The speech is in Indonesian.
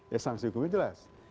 ya sanksi hukumnya jelas